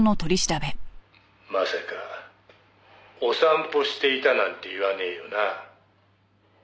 「まさかお散歩していたなんて言わねえよな？」